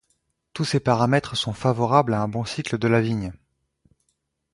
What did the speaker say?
Tous ces paramètres sont favorables à un bon cycle de la vigne.